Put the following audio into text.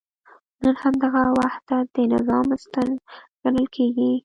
نن همدغه وحدت د نظام ستن ګڼل کېږي.